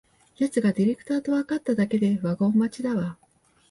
やつがディレクターとわかっただけでワゴン待ちだわ